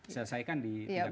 selesaikan di tingkat tps